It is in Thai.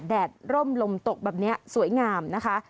แดดร่มลมตกแบบนี้สวยงามนะคะ